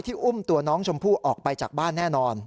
อุ้มตัวน้องชมพู่ออกไปจากบ้านแน่นอน